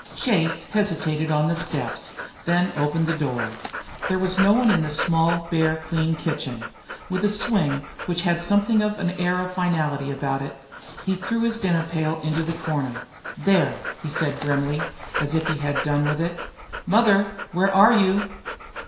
Chase hesitated on the steps, then opened the door. There was no one in the small, bare, clean kitchen. With a swing which had something of an air of finality about it, he threw his dinner pail into a corner. "There!" He said grimly, as if he had done with it. "Mother, where are you?"